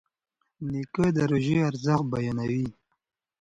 نیکه د روژې ارزښت بیانوي.